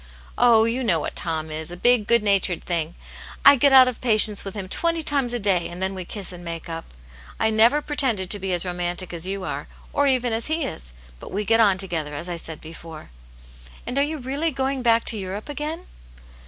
" Oh, you know what Tom is — a big, good natured thing ! I get out of patience with him twenty times a day, and then we kiss and make up. I never pre tended to be as romantic as you are, or ev^n as he is, but we get on together, as I said before." " And are you really going back to Europe again?"